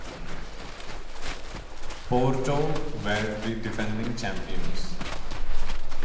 Porto were the defending champions.